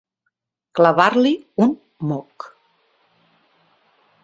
Clavar-li un moc.